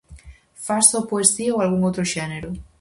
Fas só poesía ou algún outro xénero?